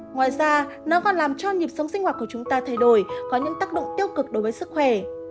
ngoài ra nó còn làm cho nhịp sống sinh hoạt của chúng ta thay đổi có những tác động tiêu cực đối với sức khỏe